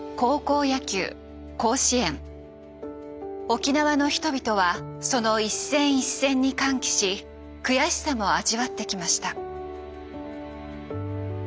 沖縄の人々はその一戦一戦に歓喜し悔しさも味わってきました。